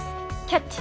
「キャッチ！